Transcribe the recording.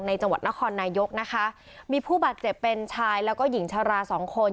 จังหวัดนครนายกนะคะมีผู้บาดเจ็บเป็นชายแล้วก็หญิงชะลาสองคน